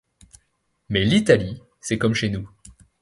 Mais l’Italie, c’est comme chez nous.